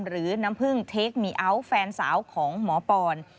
น้ำพึ่งเทคมีอัลแฟนสาวของหมอปอน